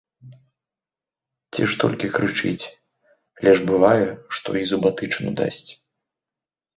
Ці ж толькі крычыць, але ж бывае, што і зубатычыну дасць.